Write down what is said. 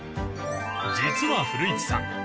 実は古市さん